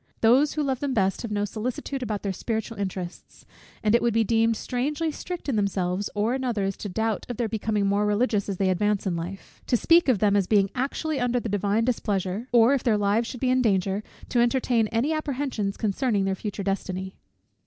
Those who love them best have no solicitude about their spiritual interests: and it would be deemed strangely strict in themselves, or in others, to doubt of their becoming more religious as they advance in life; to speak of them as being actually under the divine displeasure; or, if their lives should be in danger, to entertain any apprehensions concerning their future destiny.